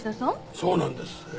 そうなんですええ。